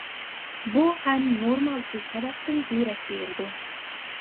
بۇ ھەم نورمالسىز سەۋەبتىن دېرەك بېرىدۇ.